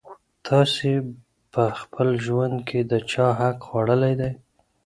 تاسي په خپل ژوند کي د چا حق خوړلی دی؟